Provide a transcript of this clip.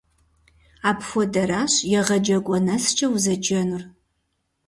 Апхуэдэращ егъэджакӀуэ нэскӀэ узэджэнур.